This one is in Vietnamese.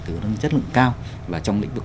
cựu nhân chất lượng cao và trong lĩnh vực